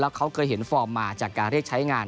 เขาเคยเห็นฟอร์มมาจากการเรียกใช้งาน